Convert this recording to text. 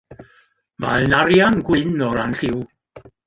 Mae'n arian-gwyn o ran lliw.